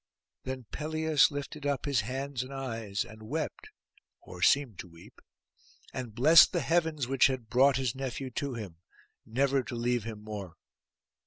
Then Pelias lifted up his hands and eyes, and wept, or seemed to weep; and blessed the heavens which had brought his nephew to him, never to leave him more.